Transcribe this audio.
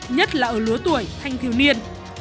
nhất là ở lứa tuổi thanh thiếu niên